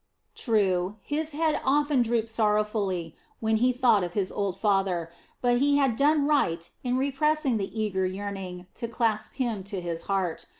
True, his head often drooped sorrowfully when he thought of his old father; but he had done right in repressing the eager yearning to clasp him to his heart.